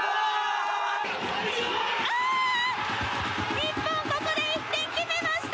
日本ここで１点決めました。